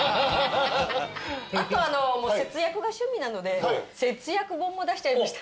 あと節約が趣味なので節約本も出しちゃいました。